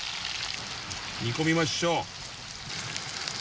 煮込みましょう。